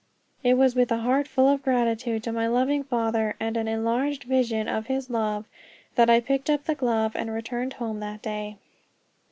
It was with a heart full of gratitude to my loving Heavenly Father, and an enlarged vision of his love, that I picked up the glove and returned home that day.